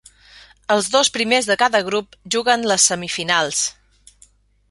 Els dos primers de cada grup juguen les semifinals.